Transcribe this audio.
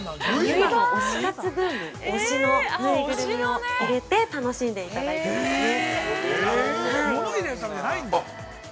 今の推し活ブーム推しのぬいぐるみを入れて楽しんでいただいていますね。